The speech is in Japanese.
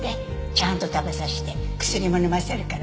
ちゃんと食べさせて薬も飲ませるから。